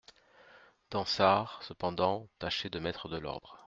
Dansaert, cependant, tâchait de mettre de l'ordre.